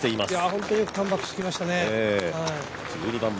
本当によくカムバックしてきましたね。